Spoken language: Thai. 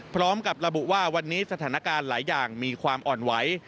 พร้อมกับระบุว่าวันนี้สถานการณ์หลายอย่างมีความอ่อนไหว